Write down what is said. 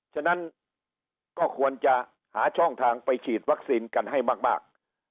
ฉะนั้นก็ควรจะหาช่องทางไปฉีดวัคซีนกันให้มาก